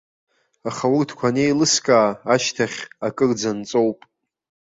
Аха урҭқәа анеилыскаа, ашьҭахь, акырӡа анҵоуп.